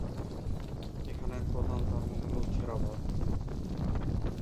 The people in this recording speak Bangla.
এখানের প্রধান ধর্ম হলো থেরবাদ।